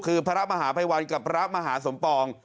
คือพระมหาภัยวันกับพระมหาสมปอง